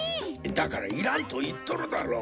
だからいらんと言っとるだろ！